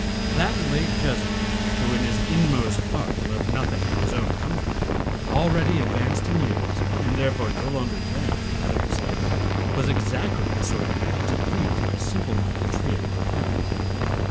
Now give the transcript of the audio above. That late Jesuit, who in his inmost heart loved nothing but his own comfort, already advanced in years, and therefore no longer caring for the fair sex, was exactly the sort of man to please my simpleminded trio of friends.